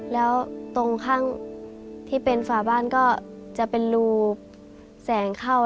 แล้วตรงข้างที่เป็นฝาบ้านก็จะเป็นรูแสงเข้า